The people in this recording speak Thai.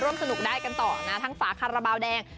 ร่วมสนุกได้กันต่อนะทั้งฝาคันระเบาแดง